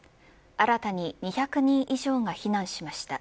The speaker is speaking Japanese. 新たに２００人以上が避難しました。